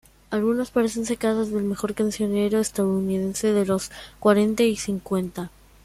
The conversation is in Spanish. Algunas parecen sacadas del mejor cancionero estadounidense de los cuarenta y cincuenta.